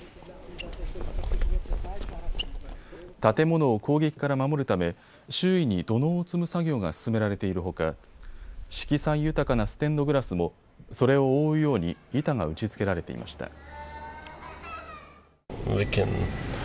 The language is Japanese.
建物を攻撃から守るため周囲に土のうを積む作業が進められているほか色彩豊かなステンドグラスもそれを覆うように板が打ちつけられていました。